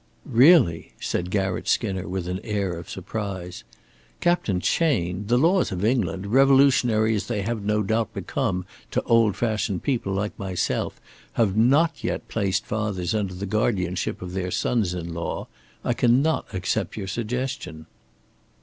"Really!" said Garratt Skinner, with an air of surprise. "Captain Chayne, the laws of England, revolutionary as they have no doubt become to old fashioned people like myself, have not yet placed fathers under the guardianship of their sons in law. I cannot accept your suggestion."